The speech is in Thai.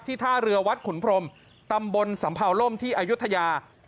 ท่าเรือวัดขุนพรมตำบลสำเภาล่มที่อายุทยา